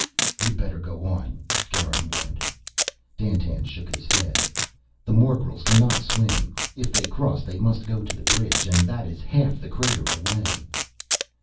"You'd better go on," Garin warned. Dandtan shook his head. "The morgels can not swim. If they cross, they must go to the bridge, and that is half the crater away."